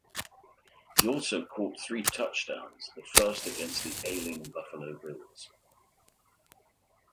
He also caught three touchdowns, the first against the ailing Buffalo Bills.